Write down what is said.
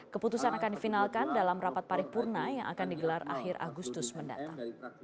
keputusan akan difinalkan dalam rapat paripurna yang akan digelar akhir agustus mendatang